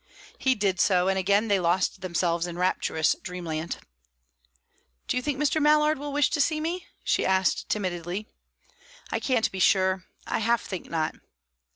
He did so, and again they lost themselves in rapturous dreamland. "Do you think Mr. Mallard will wish to see me?" she asked timidly. "I can't be sure. I half think not."